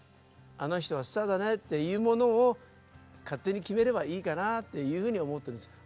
あの人はスターだねっていうものを勝手に決めればいいかなっていうふうに思ってるんですよ。